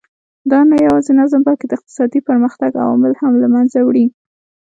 دا نه یوازې نظم بلکې د اقتصادي پرمختګ عوامل هم له منځه وړي.